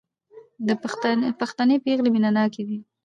پښتنې پېغلې مينه ناکه دي